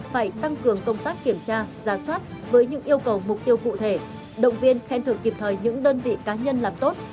phải tăng cường công tác kiểm tra ra soát với những yêu cầu mục tiêu cụ thể động viên khen thưởng kịp thời những đơn vị cá nhân làm tốt